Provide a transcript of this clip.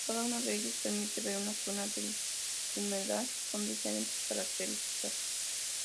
Cada uno de ellos permite ver una zona del humedal con diferentes características.